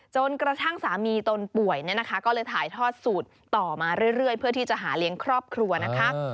จนกระทั่งสามีตนป่วยเนี่ยนะคะก็เลยถ่ายทอดสูตรต่อมาเรื่อยเพื่อที่จะหาเลี้ยงครอบครัวนะคะ